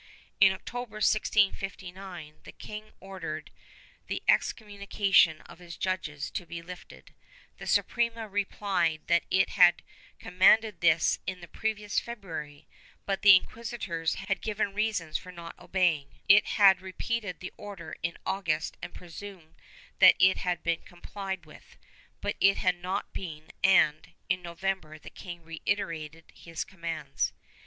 In October, 1659, the king ordered the excommunication of his judges to be lifted; the Suprema replied that it had com manded this in the previous February, but the inquisitors had given reasons for not obeying ; it had repeated the order in August and presumed that it had been complied with, but it had not been and, in November the king reiterated his commands.